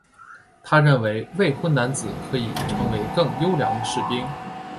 他认为未婚男子可以成为更优良的士兵。